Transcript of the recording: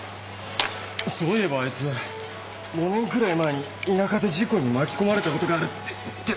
そういえばあいつ５年くらい前に田舎で事故に巻き込まれたことがあるって言ってたな。